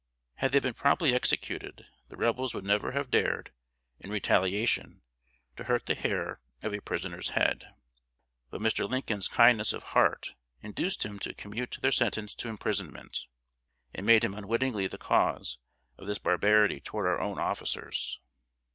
Had they been promptly executed, the Rebels would never have dared, in retaliation, to hurt the hair of a prisoners head. But Mr. Lincoln's kindness of heart induced him to commute their sentence to imprisonment, and made him unwittingly the cause of this barbarity toward our own officers.